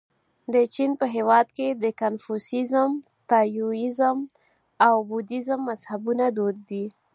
د چین په هېواد کې د کنفوسیزم، تائویزم او بودیزم مذهبونه دود دي.